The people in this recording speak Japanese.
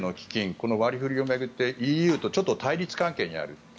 この割り振りを巡ってＥＵと対立関係にある。